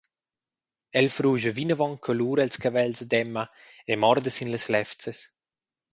El fruscha vinavon colur els cavels ad Emma e morda sin las levzas.